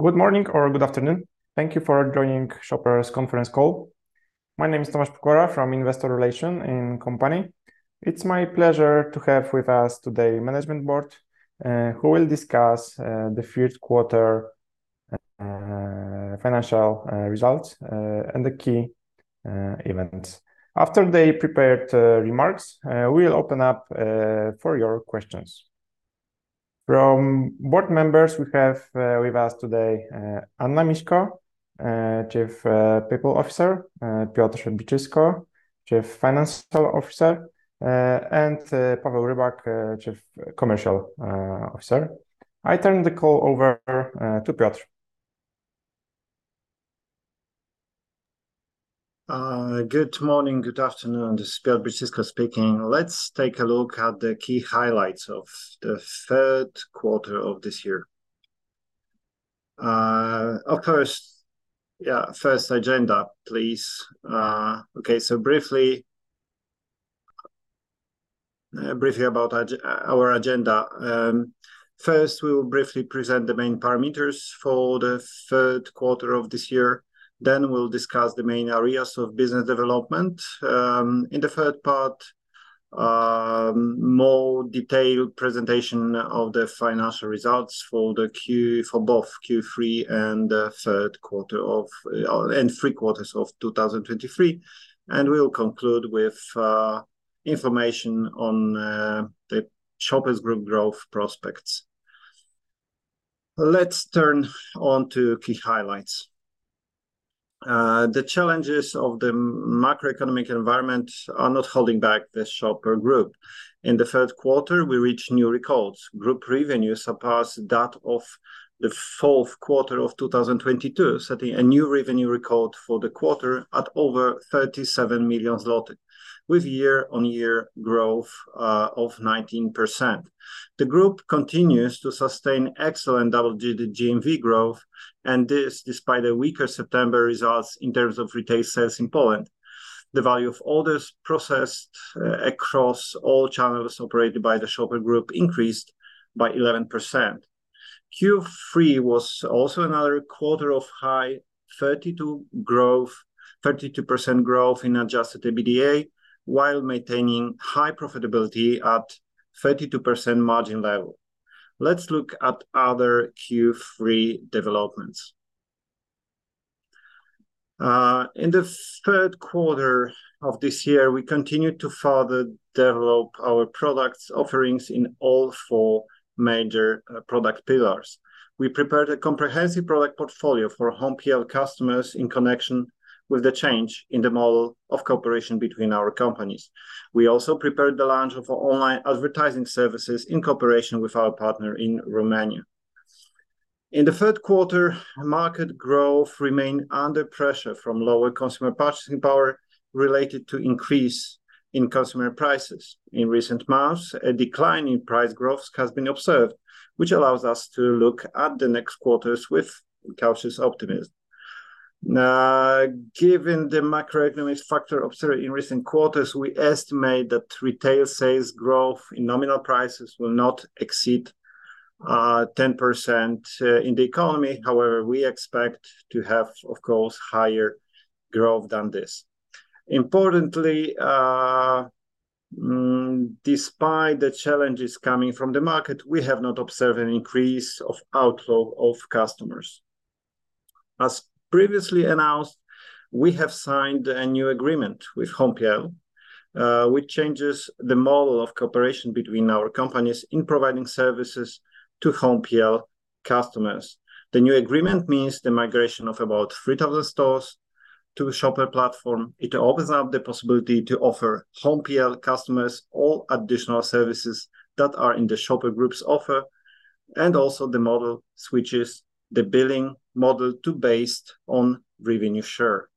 Good morning or good afternoon. Thank you for joining Shoper Conference call. My name is Tomasz Pokora from Investor Relation in company. It's my pleasure to have with us today management board, who will discuss the third quarter financial results and the key events. After they prepared remarks, we'll open up for your questions. From Board Members, we have with us today Anna Miśko, Chief People Officer, Piotr Biczysko, Chief Financial Officer, and Paweł Rybak, Chief Commercial Officer. I turn the call over to Piotr. Good morning, good afternoon. This is Piotr Biczysko speaking. Let's take a look at the key highlights of the third quarter of this year. Of course, yeah, first agenda, please. Okay. Briefly about our agenda. First, we will briefly present the main parameters for the third quarter of this year, then we'll discuss the main areas of business development. In the third part, more detailed presentation of the financial results for both Q3 and three quarters of 2023. We will conclude with information on the Shoper Group growth prospects. Let's turn on to key highlights. The challenges of the macroeconomic environment are not holding back the Shoper Group. In the third quarter, we reached new records. Group revenue surpassed that of the fourth quarter of 2022, setting a new revenue record for the quarter at over 37 million zloty, with year-over-year growth of 19%. The group continues to sustain excellent double-digit GMV growth, and this despite the weaker September results in terms of retail sales in Poland. The value of orders processed across all channels operated by the Shoper Group increased by 11%. Q3 was also another quarter of high 32% growth, 32% growth in Adjusted EBITDA, while maintaining high profitability at 32% margin level. Let's look at other Q3 developments. In the third quarter of this year, we continued to further develop our products offerings in all four major product pillars. We prepared a comprehensive product portfolio for Home.pl customers in connection with the change in the model of cooperation between our companies. We also prepared the launch of our online advertising services in cooperation with our partner in Romania. In the third quarter, market growth remained under pressure from lower consumer purchasing power related to increase in consumer prices. In recent months, a decline in price growth has been observed, which allows us to look at the next quarters with cautious optimism. Given the macroeconomic factor observed in recent quarters, we estimate that retail sales growth in nominal prices will not exceed 10% in the economy. However, we expect to have, of course, higher growth than this. Importantly, despite the challenges coming from the market, we have not observed an increase of outflow of customers. As previously announced, we have signed a new agreement with Home.pl, which changes the model of cooperation between our companies in providing services to Home.pl customers. The new agreement means the migration of about 3,000 stores to Shoper platform. It opens up the possibility to offer Home.pl customers all additional services that are in the Shoper Group's offer, and also the model switches the billing model to based on revenue share.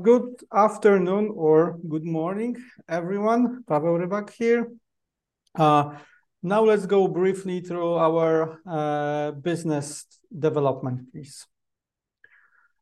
Good afternoon or good morning, everyone. Paweł Rybak here. Now let's go briefly through our business development piece.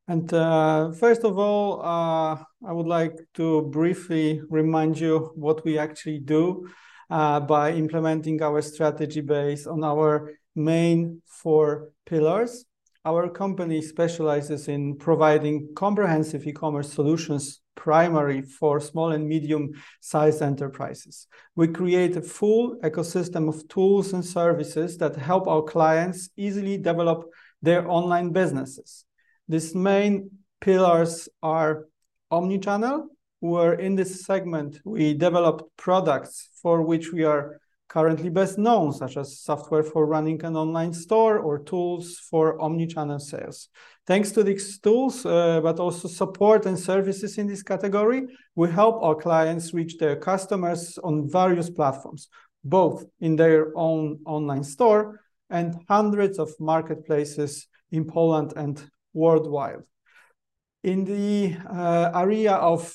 First of all, I would like to briefly remind you what we actually do by implementing our strategy based on our main four pillars. Our company specializes in providing comprehensive e-commerce solutions primarily for small and medium-sized enterprises. We create a full ecosystem of tools and services that help our clients easily develop their online businesses. These main pillars are omni-channel, where in this segment, we develop products for which we are currently best known, such as software for running an online store or tools for omni-channel sales. Thanks to these tools, but also support and services in this category, we help our clients reach their customers on various platforms, both in their own online store and hundreds of marketplaces in Poland and worldwide. In the area of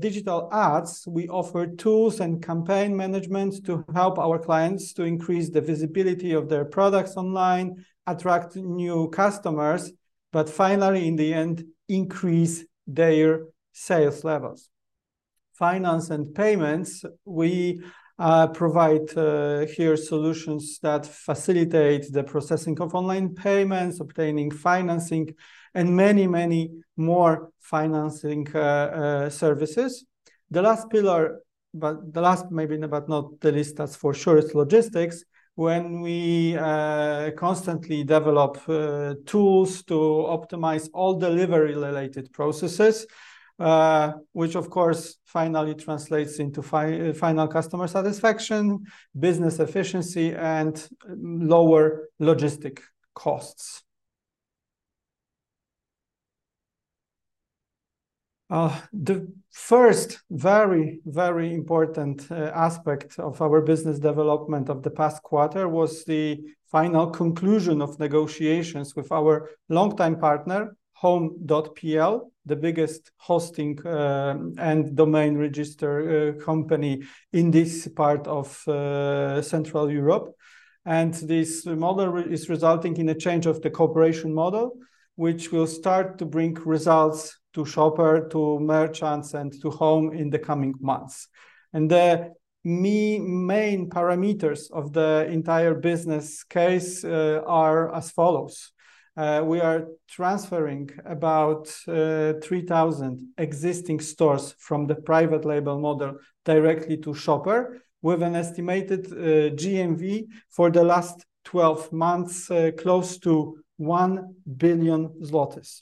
digital ads, we offer tools and campaign management to help our clients to increase the visibility of their products online, attract new customers, but finally, in the end, increase their sales levels. Finance and payments, we provide here solutions that facilitate the processing of online payments, obtaining financing, and many, many more financing services. The last pillar, but the last maybe, but not the least, that's for sure, is logistics, when we constantly develop tools to optimize all delivery-related processes. Which of course finally translates into final customer satisfaction, business efficiency, and lower logistic costs. The first very, very important aspect of our business development of the past quarter was the final conclusion of negotiations with our longtime partner Home.pl, the biggest hosting and domain register company in this part of Central Europe. This model is resulting in a change of the cooperation model, which will start to bring results to Shoper, to merchants, and to Home.pl In the coming months. The main parameters of the entire business case are as follows. We are transferring about 3,000 existing stores from the private label model directly to Shoper with an estimated GMV for the last 12 months close to 1 billion zlotys.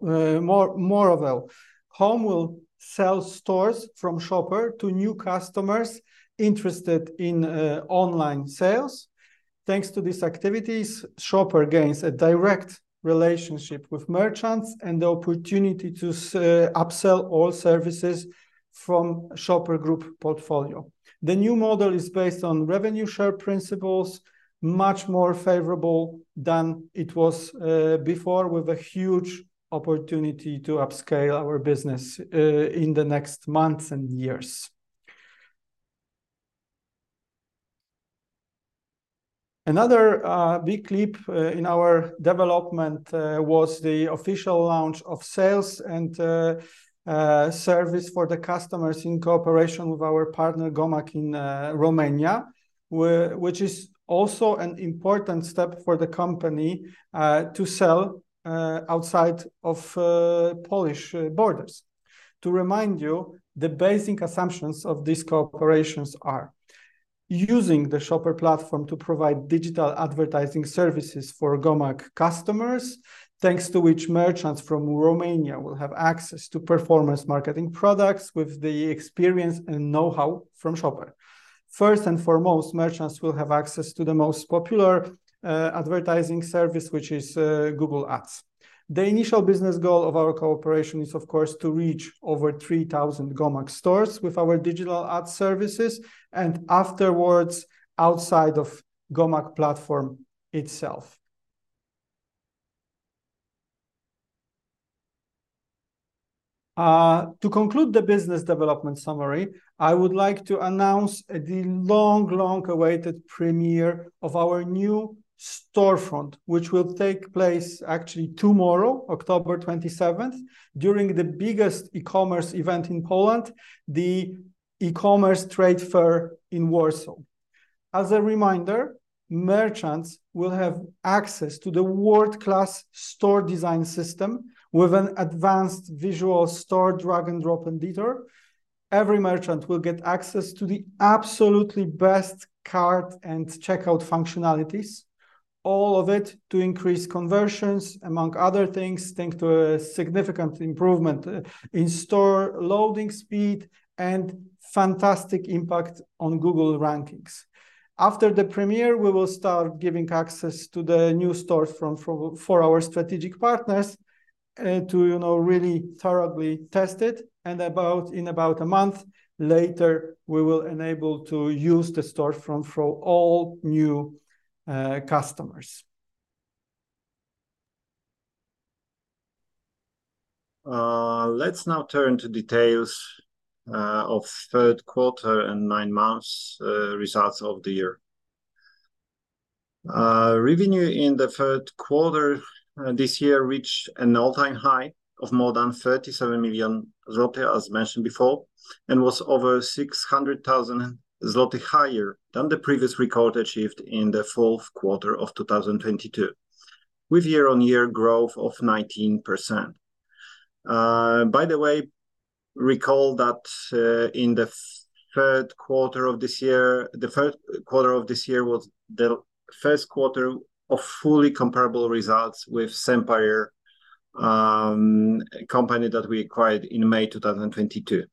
Moreover, Home.pl will sell stores from Shoper to new customers interested in online sales. Thanks to these activities, Shoper gains a direct relationship with merchants and the opportunity to upsell all services from Shoper Group portfolio. The new model is based on revenue share principles, much more favorable than it was before, with a huge opportunity to upscale our business in the next months and years. Another big leap in our development was the official launch of sales and service for the customers in cooperation with our partner Gomag in Romania, which is also an important step for the company to sell outside of Polish borders. To remind you, the basic assumptions of these co-operations are using the Shoper platform to provide digital advertising services for Gomag customers, thanks to which merchants from Romania will have access to performance marketing products with the experience and know-how from Shoper. First and foremost, merchants will have access to the most popular advertising service, which is Google Ads. The initial business goal of our cooperation is, of course, to reach over 3,000 Gomag stores with our digital ad services and afterwards outside of Gomag platform itself. To conclude the business development summary, I would like to announce the long, long-awaited premiere of our new storefront, which will take place actually tomorrow, October 27th, during the biggest E-commerce event in Poland, the E-commerce Warsaw Expo in Warsaw. As a reminder, merchants will have access to the world-class store design system with an advanced visual store drag and drop editor. Every merchant will get access to the absolutely best cart and checkout functionalities, all of it to increase conversions, among other things, thanks to a significant improvement in store loading speed and fantastic impact on Google rankings. After the premiere, we will start giving access to the new stores for our strategic partners, to, you know, really thoroughly test it, in about one month later, we will enable to use the storefront for all new customers. Let's now turn to details of third quarter and nine months results of the year. Revenue in the third quarter this year reached an all-time high of more than 37 million zloty, as mentioned before, and was over 600,000 zloty higher than the previous record achieved in the fourth quarter of 2022, with year-on-year growth of 19%. By the way, recall that in the third quarter of this year, the third quarter of this year was the first quarter of fully comparable results with Sempire, company that we acquired in May 2022.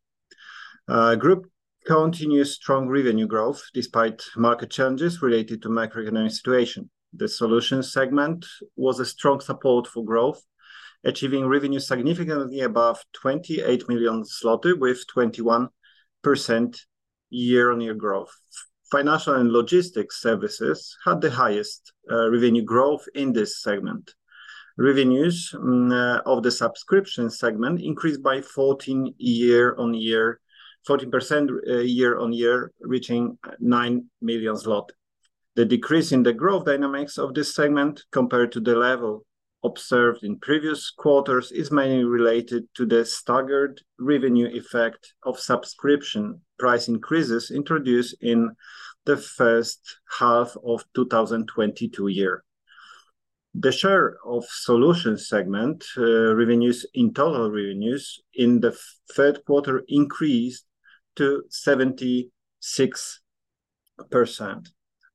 Group continues strong revenue growth despite market challenges related to macroeconomic situation. The solutions segment was a strong support for growth, achieving revenue significantly above 28 million zloty with 21% year-on-year growth. Financial and logistics services had the highest revenue growth in this segment. Revenues of the subscription segment increased by 14 year-on-year, 14% year-on-year, reaching 9 million zloty. The decrease in the growth dynamics of this segment compared to the level observed in previous quarters is mainly related to the staggered revenue effect of subscription price increases introduced in the first half of 2022. The share of solutions segment revenues in total revenues in the third quarter increased to 76%.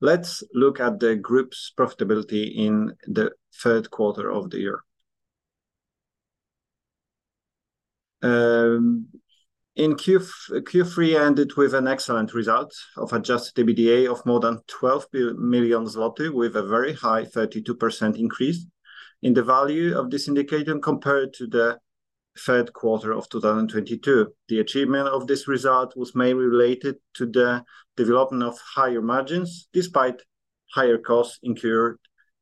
Let's look at the group's profitability in the third quarter of the year. In Q3 ended with an excellent result of Adjusted EBITDA of more than 12 million zloty, with a very high 32% increase in the value of this indicator compared to the third quarter of 2022. The achievement of this result was mainly related to the development of higher margins, despite higher costs incurred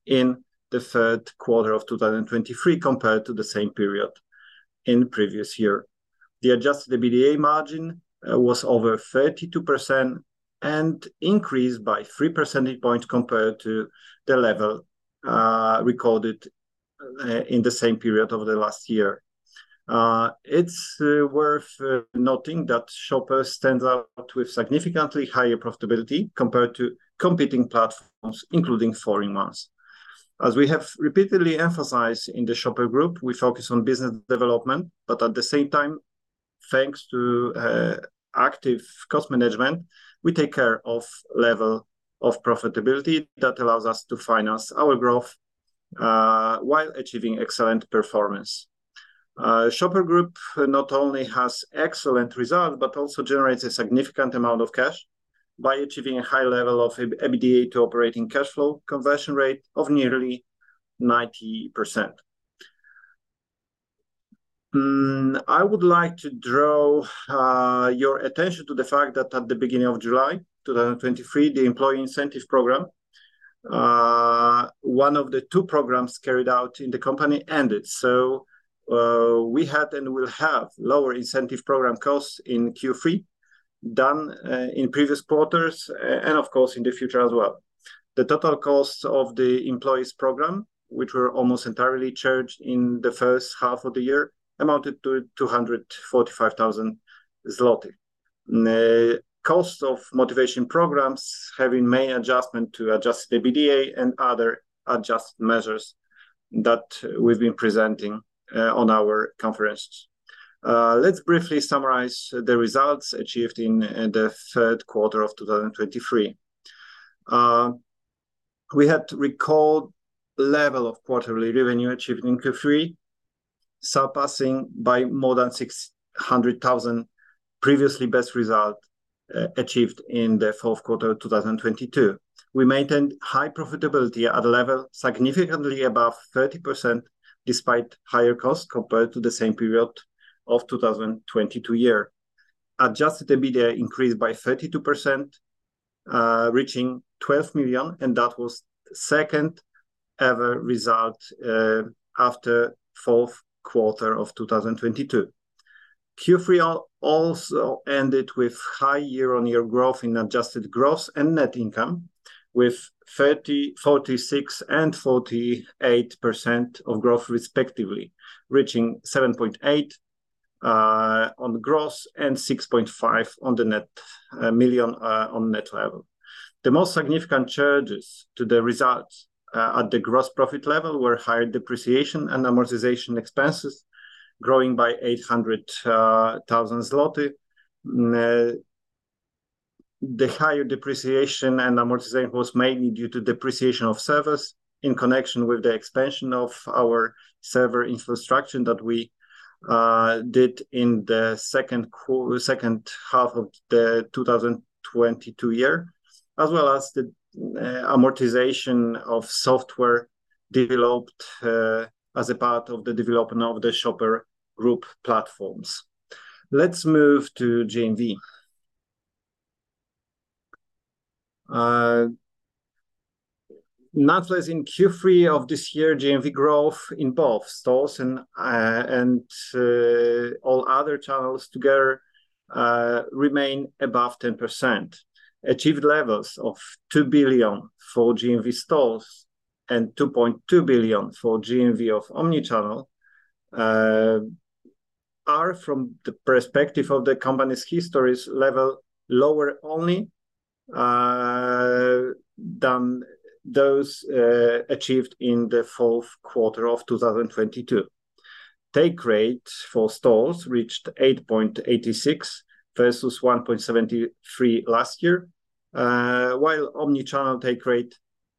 in the third quarter of 2023 compared to the same period in previous year. The Adjusted EBITDA margin was over 32% and increased by 3% points compared to the level recorded in the same period of the last year. It's worth noting that Shoper stands out with significantly higher profitability compared to competing platforms, including foreign ones. As we have repeatedly emphasized in the Shoper Group, we focus on business development, but at the same time, thanks to active cost management, we take care of level of profitability that allows us to finance our growth while achieving excellent performance. Shoper Group not only has excellent results, but also generates a significant amount of cash by achieving a high level of EBITDA to operating cash flow conversion rate of nearly 90%. I would like to draw your attention to the fact that at the beginning of July 2023, the employee incentive program, one of the two programs carried out in the company, ended. We had and will have lower incentive program costs in Q3 than in previous quarters and of course in the future as well. The total cost of the employee program, which were almost entirely charged in the first half of the year, amounted to 245,000 zloty. Costs of motivation programs have been main adjustment to Adjusted EBITDA and other adjusted measures that we've been presenting on our conferences. Let's briefly summarize the results achieved in the third quarter of 2023. We had record level of quarterly revenue achieved in Q3, surpassing by more than 600,000 previously best result achieved in the fourth quarter 2022. We maintained high profitability at a level significantly above 30% despite higher cost compared to the same period of 2022. Adjusted EBITDA increased by 32%, reaching 12 million, and that was second ever result after fourth quarter of 2022. Q3 also ended with high year-on-year growth in adjusted gross and net income with 30%, 46%, and 48% of growth respectively, reaching 7.8 milion on gross and 6.5 million on net level. The most significant charges to the results at the gross profit level were higher depreciation and amortization expenses growing by 800,000 zloty. The higher depreciation and amortization was mainly due to depreciation of servers in connection with the expansion of our server infrastructure that we did in the second half of 2022, as well as the amortization of software developed as a part of the development of the Shoper Group platforms. Let's move to GMV. Nonetheless, in Q3 of this year, GMV growth in both stores and all other channels together remain above 10%. Achieved levels of 2 billion for GMV stores and 2.2 billion for GMV of omni-channel are from the perspective of the company's history's level lower only than those achieved in the fourth quarter of 2022. Take rate for stores reached 8.86% versus 1.73% last year, while omni-channel take rate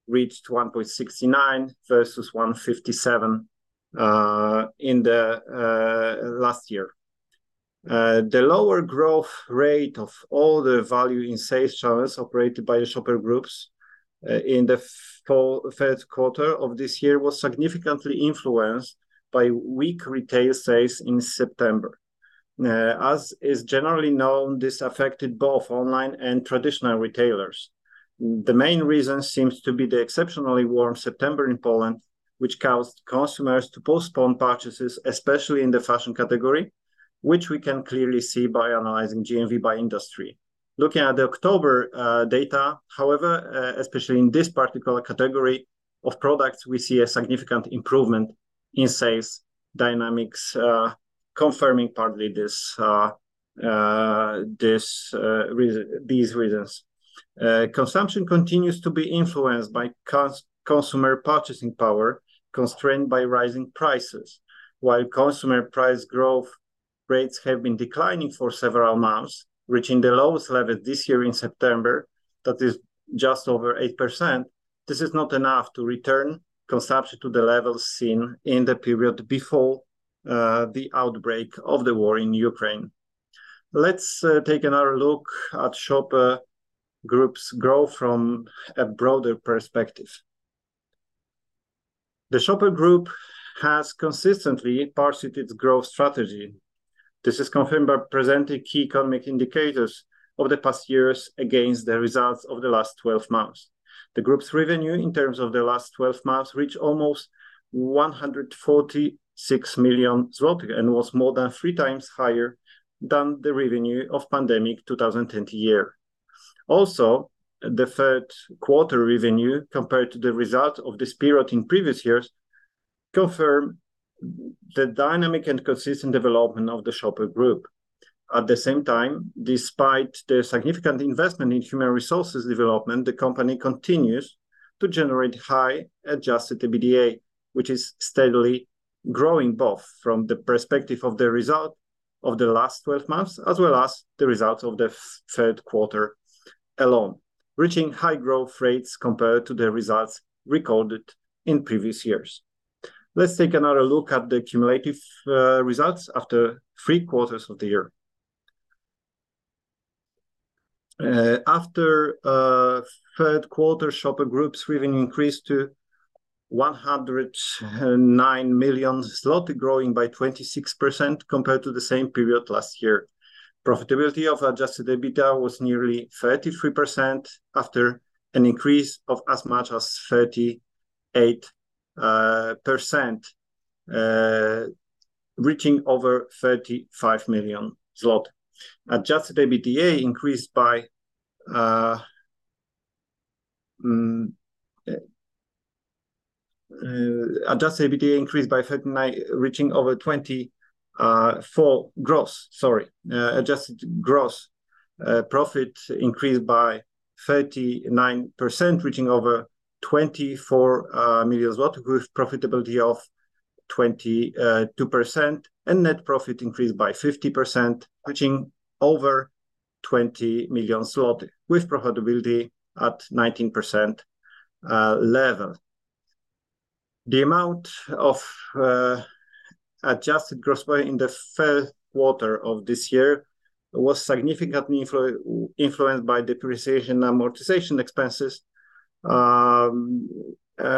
reached 1.69% versus 1.57% in the last year. The lower growth rate of all the value in sales channels operated by the Shoper Group in the third quarter of this year was significantly influenced by weak retail sales in September. As is generally known, this affected both online and traditional retailers. The main reason seems to be the exceptionally warm September in Poland, which caused consumers to postpone purchases, especially in the fashion category, which we can clearly see by analyzing GMV by industry. Looking at the October data, however, especially in this particular category of products, we see a significant improvement in sales dynamics, confirming partly these reasons. Consumption continues to be influenced by consumer purchasing power, constrained by rising prices. While consumer price growth rates have been declining for several months, reaching the lowest level this year in September, that is just over 8%, this is not enough to return consumption to the levels seen in the period before the outbreak of the war in Ukraine. Let's take another look at Shoper Group's growth from a broader perspective. The Shoper Group has consistently pursued its growth strategy. This is confirmed by presenting key economic indicators of the past years against the results of the last 12 months. The Group's revenue in terms of the last 12 months reached almost 146 million, was more than three times higher than the revenue of pandemic 2020 year. The third quarter revenue compared to the results of this period in previous years confirm the dynamic and consistent development of the Shoper Group. At the same time, despite the significant investment in human resources development, the company continues to generate high Adjusted EBITDA, which is steadily growing, both from the perspective of the result of the last 12 months as well as the results of the third quarter alone, reaching high growth rates compared to the results recorded in previous years. Let's take another look at the cumulative results after three quarters of the year. After third quarter, Shoper Group's revenue increased to 109 million, growing by 26% compared to the same period last year. Profitability of Adjusted EBITDA was nearly 33% after an increase of as much as 38%, reaching over 35 million zloty. Adjusted gross profit increased by 39%, reaching over 24 million, with profitability of 22%. Net profit increased by 50%, reaching over 20 million zlotys, with profitability at 19% level. The amount of adjusted gross profit in the third quarter of this year was significantly influenced by depreciation amortization expenses,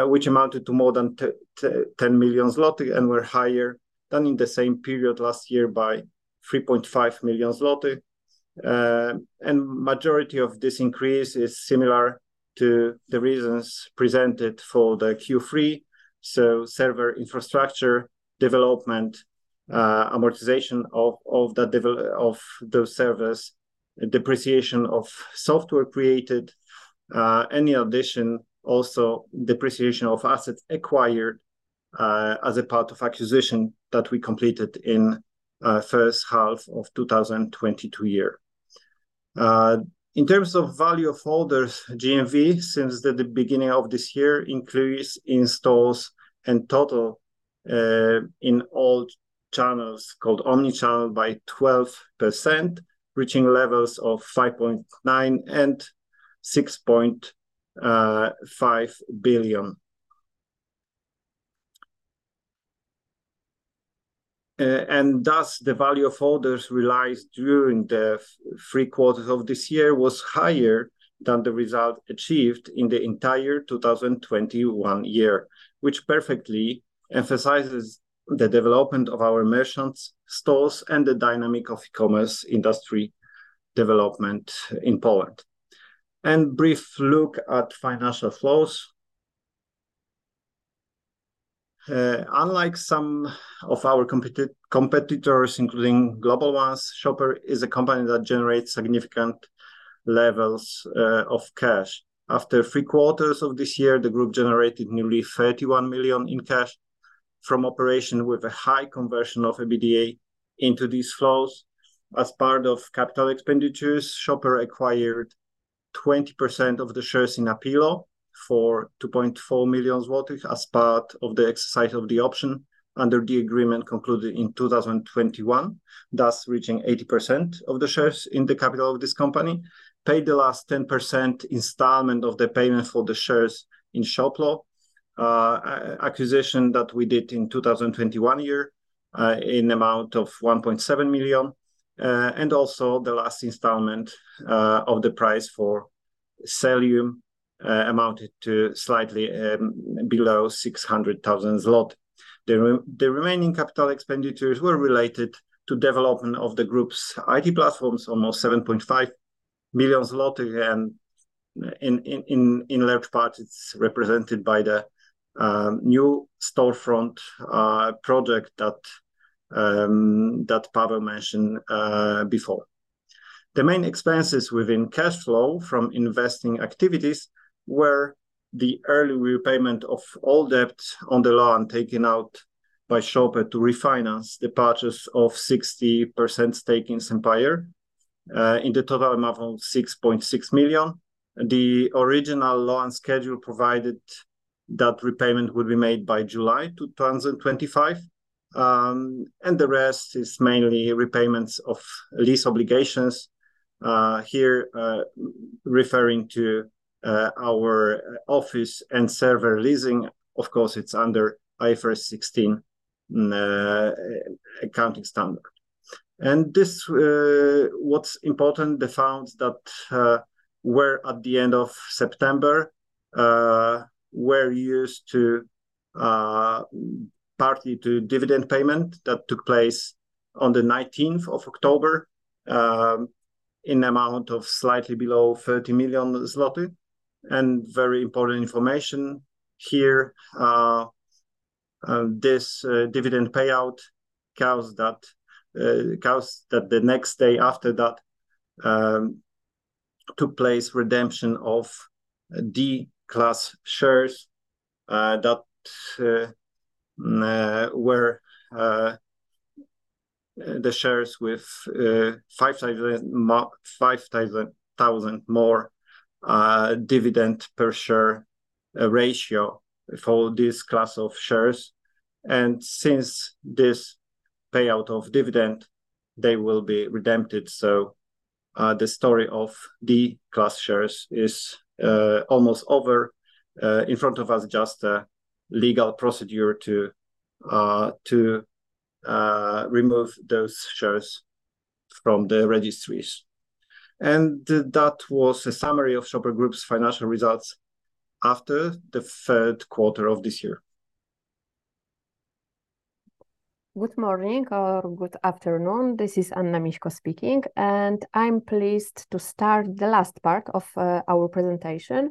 which amounted to more than 10 million zloty, and were higher than in the same period last year by 3.5 million zloty. And majority of this increase is similar to the reasons presented for the Q3, so server infrastructure development, amortization of those servers, depreciation of software created, and in addition, also depreciation of assets acquired as a part of acquisition that we completed in first half of 2022 year. In terms of value of orders, GMV, since the beginning of this year, increased in stores and total in all channels, called omni-channel, by 12%, reaching levels of 5.9 billion and 6.5 billion. Thus, the value of orders realized during the three quarters of this year was higher than the result achieved in the entire 2021 year, which perfectly emphasizes the development of our merchants, stores, and the dynamic of e-commerce industry development in Poland. Brief look at financial flows. Unlike some of our competitors, including global ones, Shoper is a company that generates significant levels of cash. After three quarters of this year, the group generated nearly 31 million in cash from operation, with a high conversion of EBITDA into these flows. As part of capital expenditures, Shoper acquired 20% of the shares in Apilo for 2.4 million zlotys as part of the exercise of the option under the agreement concluded in 2021, thus reaching 80% of the shares in the capital of this company, paid the last 10% installment of the payment for the shares in Shoplo, acquisition that we did in 2021, in amount of 1.7 million. Also the last installment of the price for Selium amounted to slightly below 600,000 zloty. The remaining capital expenditures were related to development of the Group's IT platforms, almost 7.5 million zlotys and in large part, it's represented by the new storefront project that Paweł mentioned before. The main expenses within cash flow from investing activities were the early repayment of all debt on the loan taken out by Shoper to refinance the purchase of 60% stake in Sempire, in the total amount of 6.6 million. The original loan schedule provided that repayment would be made by July 2025, and the rest is mainly repayments of lease obligations. Referring to our office and server leasing. Of course, it's under IFRS 16 accounting standard. This, what's important, the funds that were at the end of September were used to partly to dividend payment that took place on the 19th of October in amount of slightly below 30 million zloty. Very important information here, this dividend payout caused that the next day after that took place redemption of D Class shares that were the shares with 5,000 more dividend per share ratio for this class of shares. Since this payout of dividend, they will be redempted. The story of D Class shares is almost over in front of us, just a legal procedure to remove those shares from the registries. That was a summary of Shoper Group's financial results after the third quarter of this year. Good morning or good afternoon. This is Anna Miśko speaking, and I'm pleased to start the last part of our presentation,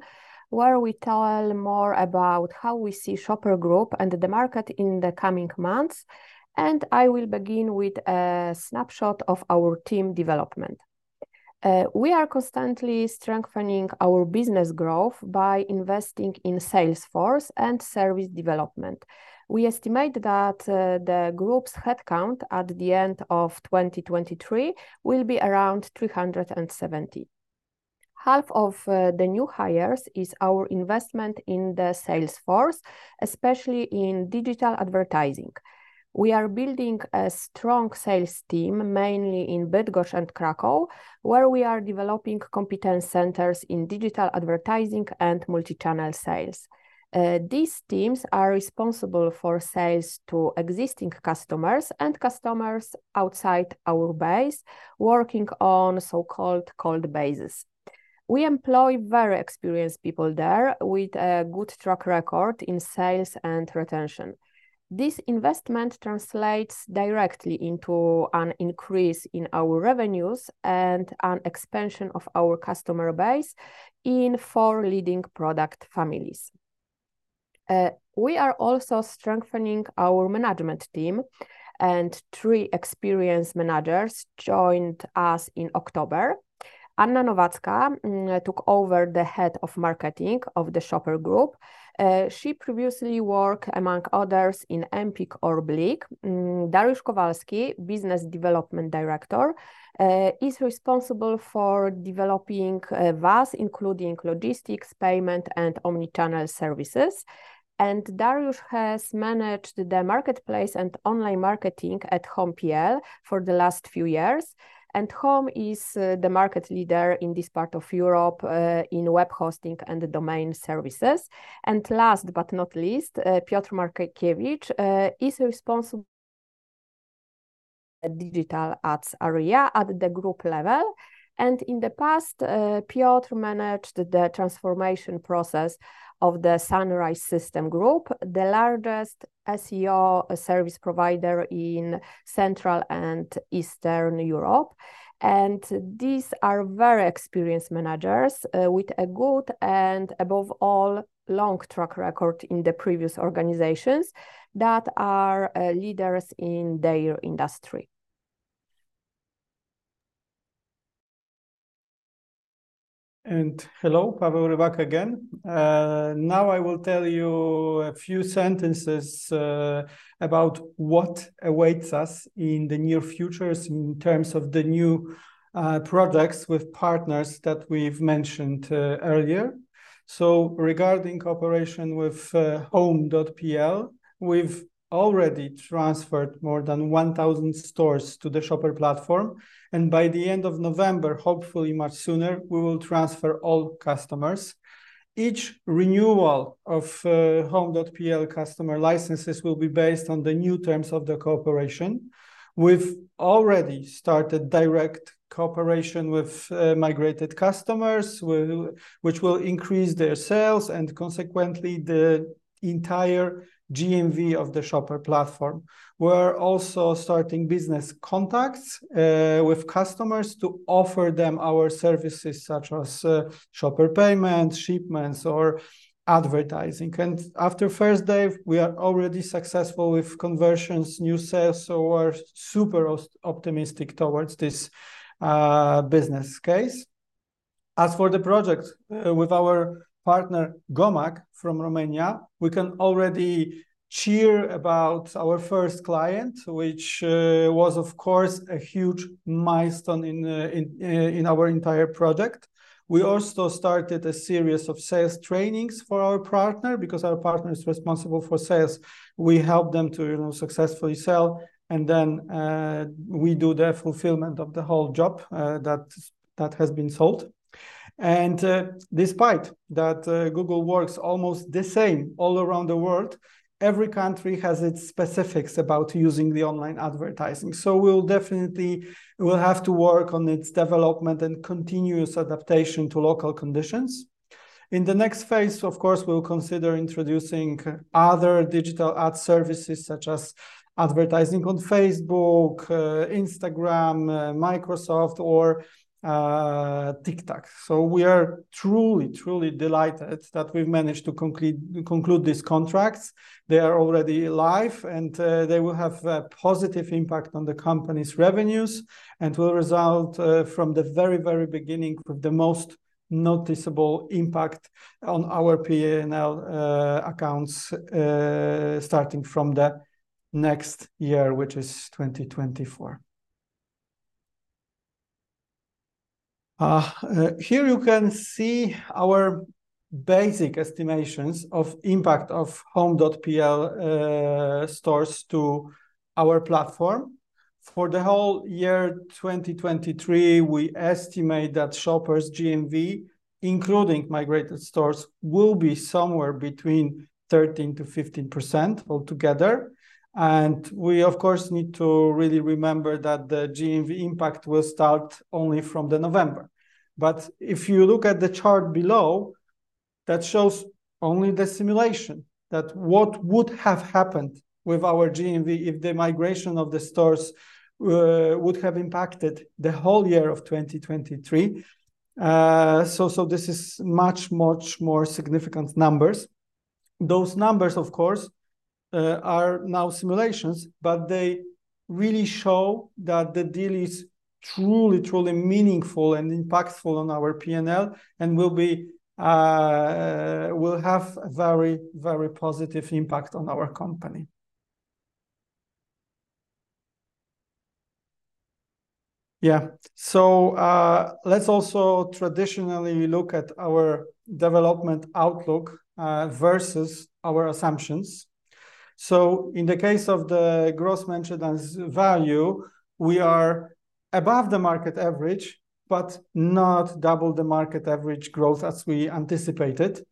where we tell more about how we see Shoper Group and the market in the coming months, and I will begin with a snapshot of our team development. We are constantly strengthening our business growth by investing in sales force and service development. We estimate that the group's head count at the end of 2023 will be around 370. Half of the new hires is our investment in the sales force, especially in digital advertising. We are building a strong sales team, mainly in Bydgoszcz and Kraków, where we are developing competence centers in digital advertising and multichannel sales. These teams are responsible for sales to existing customers and customers outside our base, working on so-called cold bases. We employ very experienced people there with a good track record in sales and retention. This investment translates directly into an increase in our revenues and an expansion of our customer base in four leading product families. We are also strengthening our management team, and three experienced managers joined us in October. Anna Nowacka took over the Head of Marketing of the Shoper Group. She previously worked among others in Empik. Dariusz Kowalski, Business Development Director, is responsible for developing VAS, including logistics, payment, and omni-channel services. Dariusz has managed the marketplace and online marketing at Home.pl for the last few years. Home.pl Is the market leader in this part of Europe in web hosting and the domain services. Last but not least, Piotr Markiewicz is responsible digital ads area at the group level. In the past, Piotr managed the transformation process of the Sunrise System Group, the largest SEO service provider in Central and Eastern Europe. These are very experienced managers, with a good, and above all, long track record in the previous organizations that are leaders in their industry. Hello, Paweł Rybak again. Now I will tell you a few sentences about what awaits us in the near future in terms of the new products with partners that we've mentioned earlier. Regarding cooperation with Home.pl, we've already transferred more than 1,000 stores to the Shoper platform, and by the end of November, hopefully much sooner, we will transfer all customers. Each renewal of Home.pl customer licenses will be based on the new terms of the cooperation. We've already started direct co-operation with migrated customers, which will increase their sales and consequently, the entire GMV of the Shoper platform. We're also starting business contacts with customers to offer them our services such as Shoper Payments, shipments, or advertising. After first day, we are already successful with conversions, new sales, so we're super optimistic towards this business case. As for the project, with our partner, Gomag, from Romania, we can already cheer about our first client, which was of course a huge milestone in our entire project. We also started a series of sales trainings for our partner, because our partner is responsible for sales. We help them to, you know, successfully sell and then we do the fulfillment of the whole job, that's, that has been sold. Despite that, Google works almost the same all around the world, every country has its specifics about using the online advertising. We'll definitely have to work on its development and continuous adaptation to local conditions. In the next phase, of course, we'll consider introducing other digital ad services such as advertising on Facebook, Instagram, Microsoft or TikTok. We are truly delighted that we've managed to conclude these contracts. They are already live, and they will have a positive impact on the company's revenues, and will result from the very, very beginning with the most noticeable impact on our P&L accounts starting from the next year, which is 2024. Here you can see our basic estimations of impact of Home.pl stores to our platform. For the whole year 2023, we estimate that Shoper's GMV, including migrated stores, will be somewhere between 13%-15% altogether. We of course need to really remember that the GMV impact will start only from the November. If you look at the chart below, that shows only the simulation, that what would have happened with our GMV if the migration of the stores would have impacted the whole year of 2023. This is much more significant numbers. Those numbers of course are now simulations, but they really show that the deal is truly meaningful and impactful on our P&L and will have a very positive impact on our company. Yeah. Let's also traditionally look at our development outlook versus our assumptions. In the case of the gross merchandise value, we are above the market average, but not double the market average growth as we anticipated.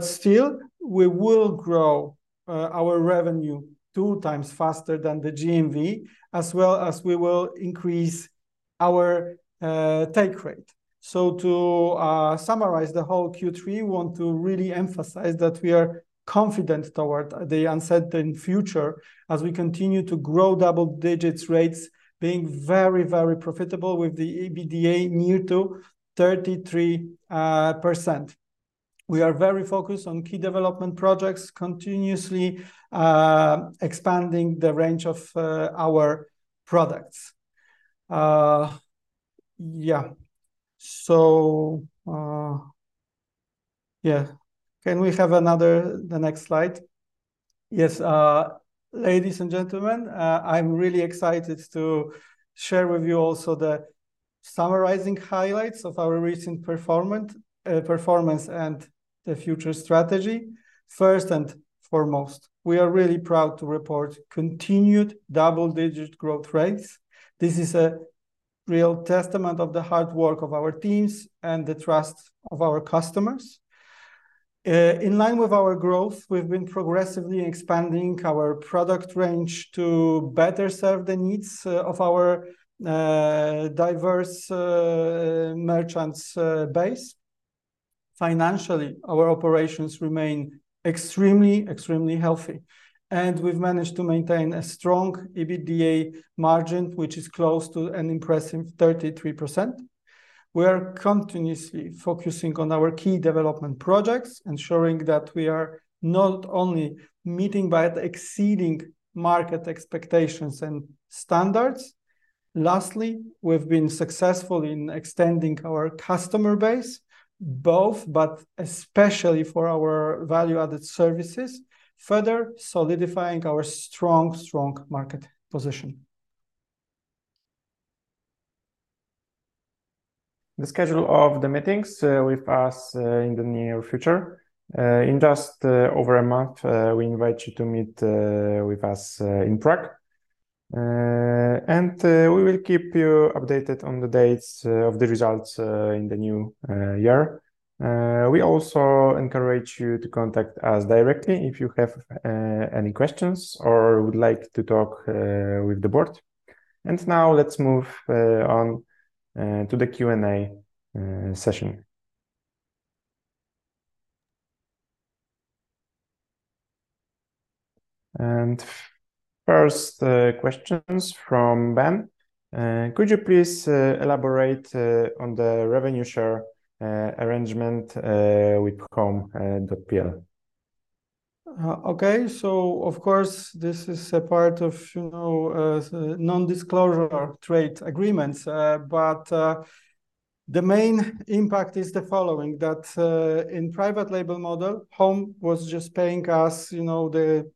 Still, we will grow our revenue 2x faster than the GMV, as well as we will increase our take rate. To summarize the whole Q3, we want to really emphasize that we are confident toward the uncertain future as we continue to grow double-digit rates, being very, very profitable with the EBITDA near to 33%. We are very focused on key development projects, continuously expanding the range of our products. Can we have another, the next slide? Yes. Ladies and gentlemen, I'm really excited to share with you also the summarizing highlights of our recent performance and the future strategy. First and foremost, we are really proud to report continued double-digit growth rates. This is a real testament of the hard work of our teams and the trust of our customers. In line with our growth, we've been progressively expanding our product range to better serve the needs of our diverse merchants base. Financially, our operations remain extremely healthy, and we've managed to maintain a strong EBITDA margin, which is close to an impressive 33%. We are continuously focusing on our key development projects, ensuring that we are not only meeting but exceeding market expectations and standards. Lastly, we've been successful in extending our customer base, both, but especially for our value-added services, further solidifying our strong market position. The schedule of the meetings with us in the near future. In just over a month, we invite you to meet with us in Prague. We will keep you updated on the dates of the results in the new year. We also encourage you to contact us directly if you have any questions or would like to talk with the board. Now let's move on to the Q&A session. First, questions from Ben. Could you please elaborate on the revenue share arrangement with Home.pl? Okay. Of course, this is a part of, you know, non-disclosure trade agreements. The main impact is the following, in private label model, Home.pl was just paying us, you know, the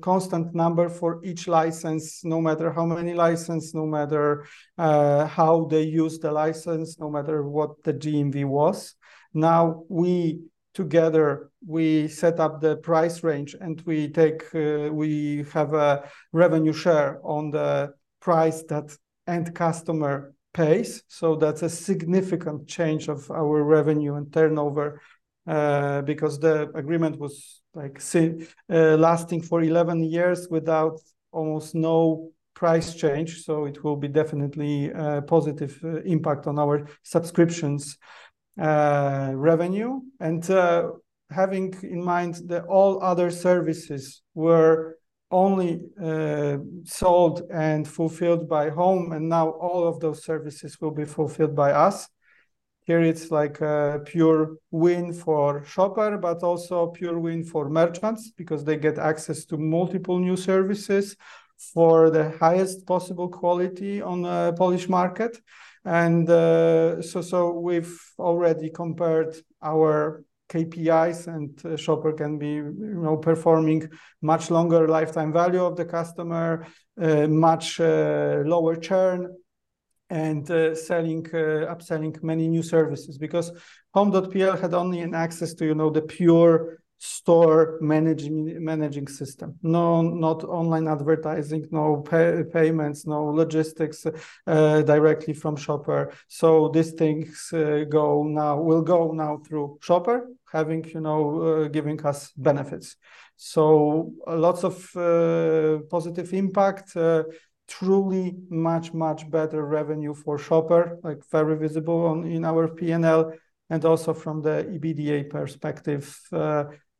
constant number for each license, no matter how many license, no matter how they use the license, no matter what the GMV was. Now we, together, we set up the price range, and we take, we have a revenue share on the price that end customer pays. That's a significant change of our revenue and turnover, because the agreement was, like, lasting for 11 years without almost no price change. It will be definitely a positive impact on our subscriptions revenue. Having in mind that all other services were only sold and fulfilled by Home, and now all of those services will be fulfilled by us. Here it's like a pure win for Shoper, but also a pure win for merchants, because they get access to multiple new services for the highest possible quality on the Polish market. We've already compared our KPIs, and Shoper can be, you know, performing much longer lifetime value of the customer, much lower churn, and selling upselling many new services. Because Home.pl had only an access to, you know, the pure store managing system. Not online advertising, no payments, no logistics directly from Shoper. These things will go now through Shoper, having, you know, giving us benefits. Lots of positive impact, truly much, much better revenue for Shoper, like very visible on, in our P&L and also from the EBITDA perspective.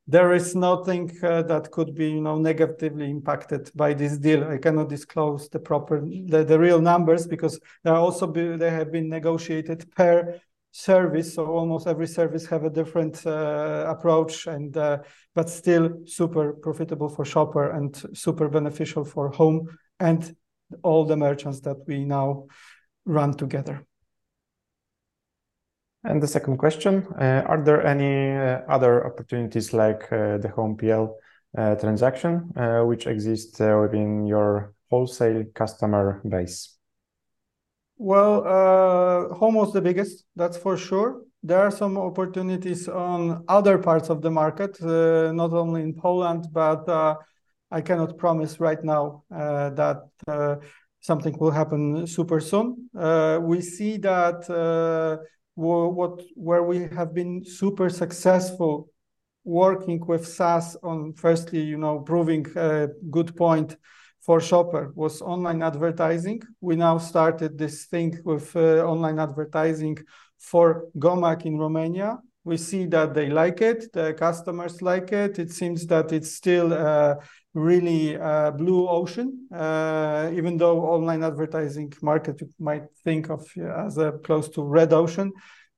There is nothing that could be, you know, negatively impacted by this deal. I cannot disclose the proper, the real numbers because they have been negotiated per service. Almost every service have a different approach and, but still super profitable for Shoper and super beneficial for Home and all the merchants that we now run together. The second question, are there any other opportunities like the Home.pl transaction, which exist within your wholesale customer base? Well, Home.pl was the biggest, that's for sure. There are some opportunities on other parts of the market, not only in Poland, but I cannot promise right now that something will happen super soon. We see that where we have been super successful working with SaaS on firstly, you know, proving a good point for Shoper was online advertising. We now started this thing with online advertising for Gomag in Romania. We see that they like it, the customers like it. It seems that it's still really blue ocean. Even though online advertising market, you might think of as a close to red ocean,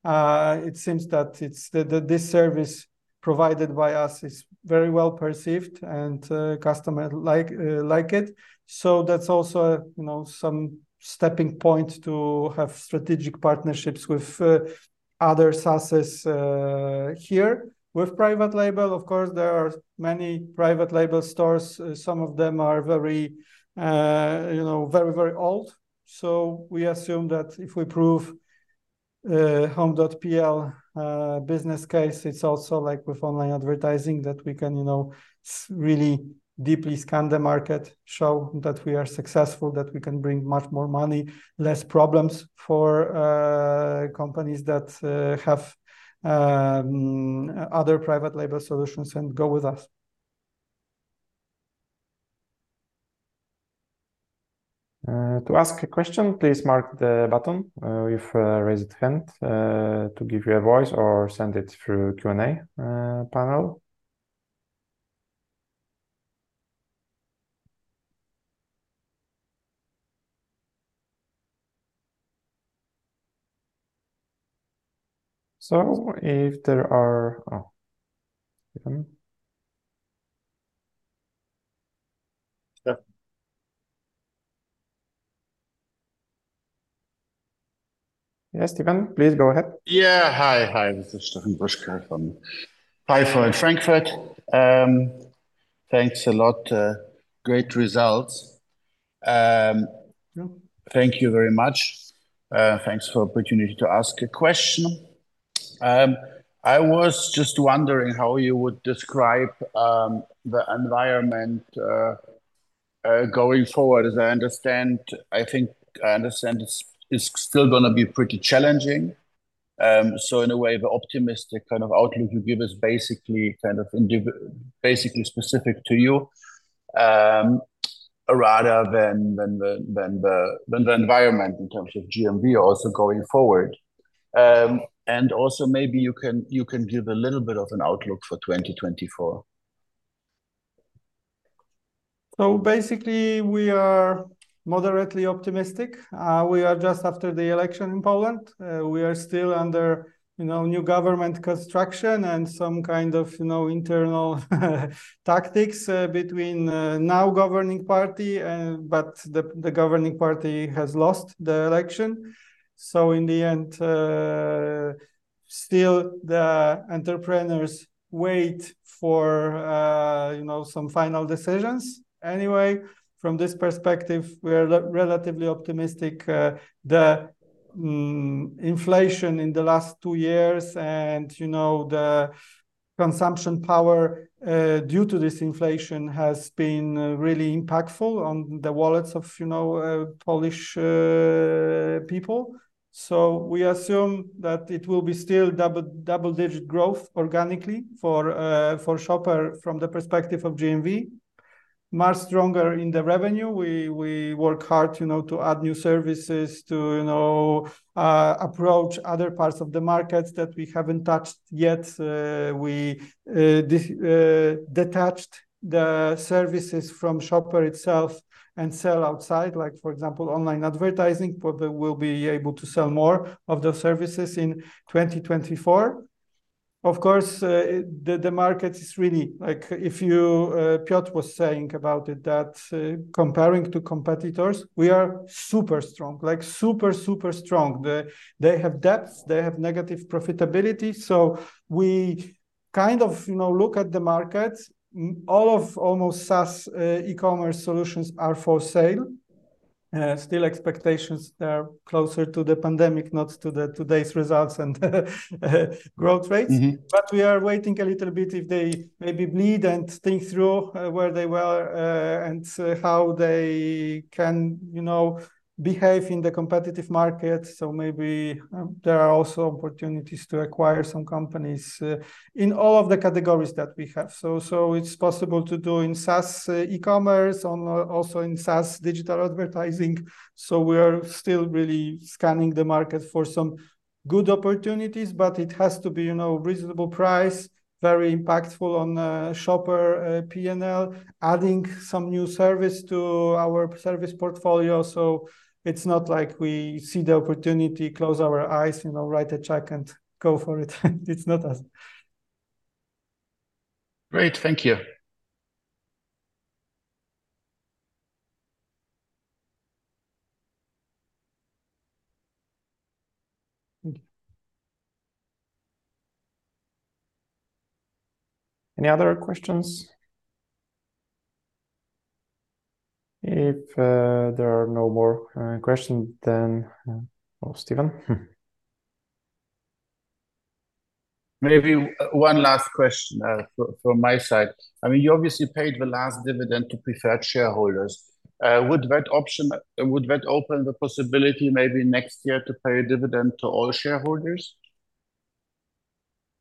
it seems that this service provided by us is very well perceived and customer like like it. That's also, you know, some stepping point to have strategic partnerships with other SaaSs here. With private label, of course, there are many private label stores. Some of them are very, you know, very old. We assume that if we prove Home.pl business case, it's also like with online advertising, that we can, you know, really deeply scan the market, show that we are successful, that we can bring much more money, less problems for companies that have other private label solutions and go with us. To ask a question, please mark the button with raised hand to give you a voice or send it through Q&A panel. Oh, Szpigiel. Yeah. Yeah, Szpigiel, please go ahead. Hi. Hi. This is Paweł Szpigiel from mBank S.A. Thanks a lot. Great results. Mm-hmm. Thank you very much. Thanks for opportunity to ask a question. I was just wondering how you would describe the environment going forward. As I understand, I think I understand it's still gonna be pretty challenging. In a way, the optimistic kind of outlook you give is basically specific to you, rather than the environment in terms of GMV also going forward. Also maybe you can give a little bit of an outlook for 2024. Basically, we are moderately optimistic. We are just after the election in Poland. We are still under, you know, new government construction and some kind of, you know, internal tactics between now governing party, but the governing party has lost the election. In the end, still the entrepreneurs wait for, you know, some final decisions. From this perspective, we are relatively optimistic. The inflation in the last two years and, you know, the consumption power due to this inflation has been really impactful on the wallets of, you know, Polish people. We assume that it will be still double-digit growth organically for Shoper from the perspective of GMV. Much stronger in the revenue. We work hard, you know, to add new services to, you know, approach other parts of the markets that we haven't touched yet. We detached the services from Shoper itself and sell outside, like for example, online advertising. Probably we'll be able to sell more of those services in 2024. Of course, the market is really, like, if you, Piotr was saying about it, that comparing to competitors, we are super strong. Like super strong. They have debts, they have negative profitability, so we kind of, you know, look at the markets. All of almost SaaS e-commerce solutions are for sale. Still expectations are closer to the pandemic, not to the today's results and growth rates. We are waiting a little bit if they maybe bleed and think through where they were and how they can, you know, behave in the competitive market. Maybe there are also opportunities to acquire some companies in all of the categories that we have. It's possible to do in SaaS e-commerce, on also in SaaS digital advertising. We're still really scanning the market for some good opportunities, but it has to be, you know, reasonable price, very impactful on the Shoper P&L, adding some new service to our service portfolio. It's not like we see the opportunity, close our eyes, you know, write a check and go for it. It's not us. Great. Thank you. Any other questions? If there are no more question, then oh, Szpigiel. Maybe one last question from my side. I mean, you obviously paid the last dividend to preferred shareholders. Would that option open the possibility maybe next year to pay a dividend to all shareholders?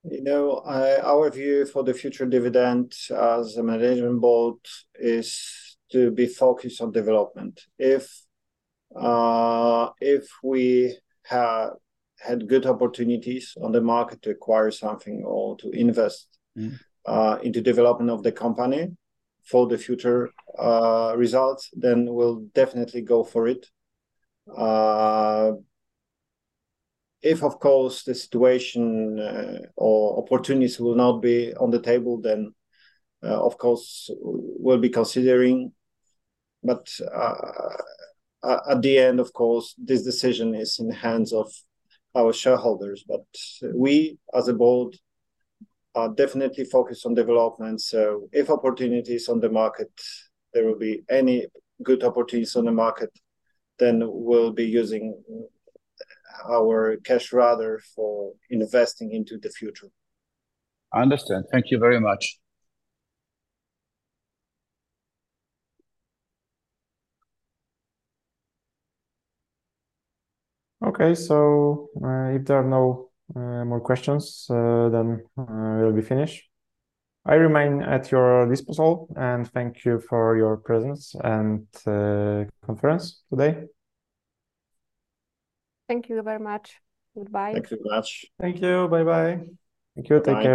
You know, our view for the future dividend as a management board is to be focused on development. If, if we had good opportunities on the market to acquire something or to invest- Mmmh. Into development of the company for the future, results. We'll definitely go for it. If of course the situation, or opportunities will not be on the table, then, of course we'll be considering. At the end of course, this decision is in the hands of our shareholders. We, as a board, are definitely focused on development. If opportunities on the market, there will be any good opportunities on the market, then we'll be using our cash rather for investing into the future. I understand. Thank you very much. Okay. If there are no more questions, we'll be finished. I remain at your disposal, and thank you for your presence and conference today. Thank you very much. Goodbye. Thank you very much. Thank you. Bye bye. Thank you. Take care.